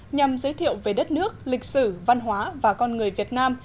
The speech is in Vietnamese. nhằm giới thiệu về đất nước lịch sử văn hóa và con người việt nam